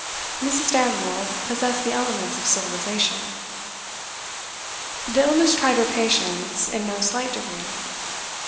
Mrs. Damerel possessed the elements of civilisation. This illness tried her patience in no slight degree.